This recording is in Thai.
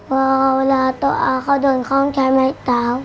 เพราะเวลาตัวอาเขาโดนข้องใช้ไม้เตา